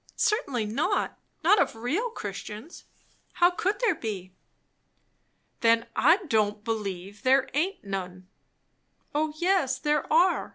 Certainly not. Not of real Christians. How could there be?" "Then I don't believe there aint none." "O yes, there are!